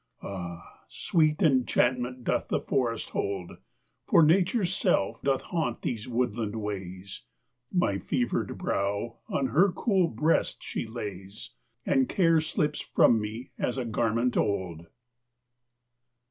Ah, sweet enchantment doth the forest hold, For Nature's self doth haunt these woodland ways, My fevered brow on her cool breast she lays And care slips from me as a garment old.